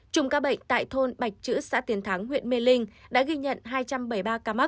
trùng ca bệnh tại thôn bạch chữ xã tiến thắng huyện mê linh đã ghi nhận hai trăm bảy mươi ba ca mắc